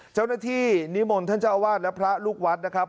นิมนต์ท่านเจ้าอาวาสและพระลูกวัดนะครับ